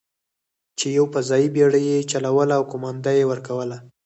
چې یوه فضايي بېړۍ یې چلوله او قومانده یې ورکوله.